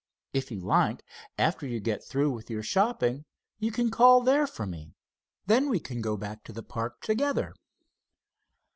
"If you like, after you get through with your shopping you can call there for me. Then we can go back to the park together."